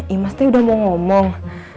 iya mas teh udah mau ngomong